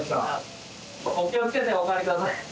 お気をつけてお帰りください。